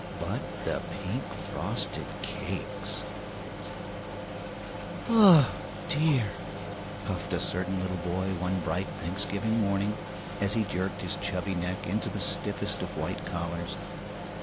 But the pink frosted cakes "Oh, dear!" puffed a certain little boy one bright Thanksgiving morning, as he jerked his chubby neck into the stiffest of white collars.